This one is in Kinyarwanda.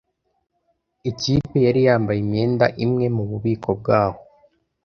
Ikipe yari yambaye imyenda imwe mububiko bwaho.